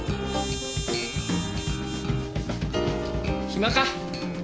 暇か？